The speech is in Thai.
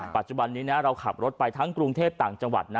ปัจจุบันนี้เราขับรถไปทั้งกรุงเทพต่างจังหวัด